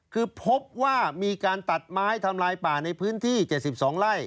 คือพบว่ามีการตัดไม้ทำลายป่าในพื้นที่๗๒ไร่